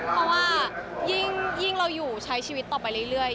เพราะว่ายิ่งเราอยู่ใช้ชีวิตต่อไปเรื่อย